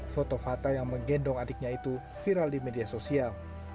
foto fata yang menggendong adiknya itu viral di media sosial